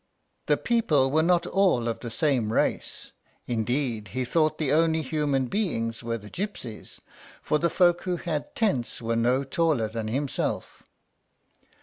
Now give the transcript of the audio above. The people were not all of the same race; indeed, he thought the only human beings were the gypsies, for the folks who had tents were no taller than himself.